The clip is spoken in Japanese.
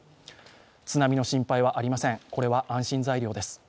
津波の心配はありません、これは安心材料です。